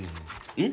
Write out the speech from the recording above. うん？